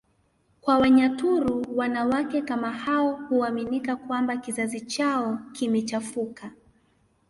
kwa Wanyaturu wanawake kama hao huaminika kwamba kizazi chao kimechafuka